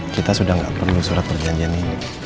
kita sudah tidak perlu surat perjanjian ini